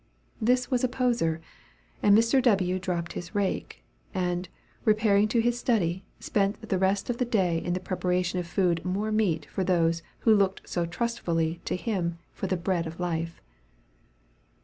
This was a poser and Mr. W. dropped his rake; and, repairing to his study, spent the rest of the day in the preparation of food more meat for those who looked so trustfully to him for the bread of life.